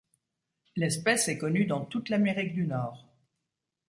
L' espèce est connue dans toute l'Amérique du Nord.